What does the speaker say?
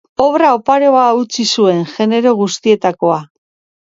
Obra oparoa utzi zuen, genero guztietakoa.